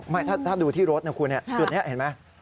ถ้าดูที่รถนะคุณจุดนี้เห็นไหม